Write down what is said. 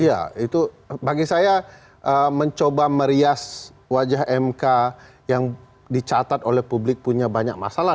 iya itu bagi saya mencoba merias wajah mk yang dicatat oleh publik punya banyak masalah